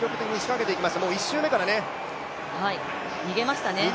１周目から逃げましたね。